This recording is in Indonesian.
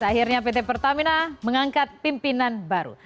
akhirnya pt pertamina mengangkat pimpinan baru